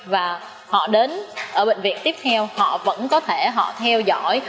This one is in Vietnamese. và họ đến ở bệnh viện tiếp theo họ vẫn có thể họ theo dõi